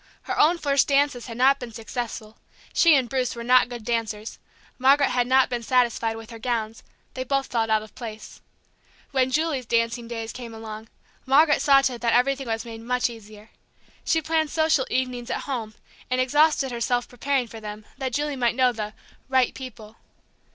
Her own first dances had not been successful; she and Bruce were not good dancers, Margaret had not been satisfied with her gowns, they both felt out of place. When Julie's dancing days came along, Margaret saw to it that everything was made much easier. She planned social evenings at home, and exhausted herself preparing for them, that Julie might know the "right people."